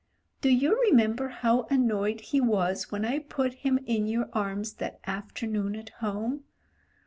'Do you remember how annoyed he was when I put him in your arms that afternoon at home?'